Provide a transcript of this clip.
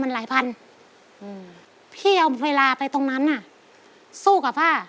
มันหลายพันอืมพี่เอาเวลาไปตรงนั้นน่ะสู้กับผ้า